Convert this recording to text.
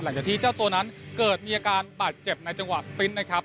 หลังจากที่เจ้าตัวนั้นเกิดมีอาการบาดเจ็บในจังหวะสปริ้นนะครับ